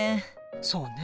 そうね。